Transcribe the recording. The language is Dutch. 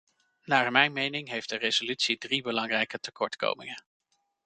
Naar mijn mening heeft de resolutie drie belangrijke tekortkomingen.